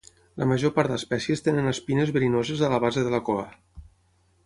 La major part d'espècies tenen espines verinoses a la base de la cua.